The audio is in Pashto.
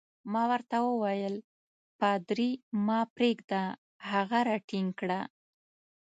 ما ورته وویل: پادري مه پرېږده، هغه راټینګ کړه.